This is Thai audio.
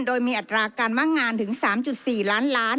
โดยมีอัตราการว่างงานถึง๓๔ล้านล้าน